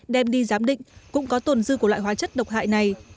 đem đi giám định cũng có tồn dư của loại hóa chất độc hại này